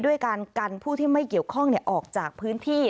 ด้วยการกันผู้ที่ไม่เกี่ยวข้องออกจากพื้นที่